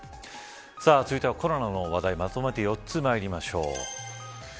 続いてはコロナの話題まとめて４つ、まいりましょう。